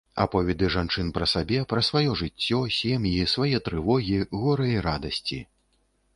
Аповеды жанчын пра сабе, пра сваё жыццё, сем'і, свае трывогі, гора і радасці.